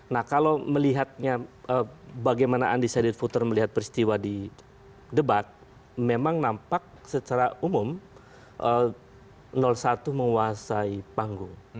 nah kalau melihatnya bagaimana undecided voter melihat peristiwa di debat memang nampak secara umum satu menguasai panggung